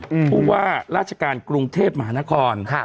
ผู้ว่าราชการกรุงเทพมหานคร